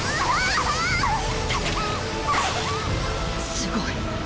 すごい。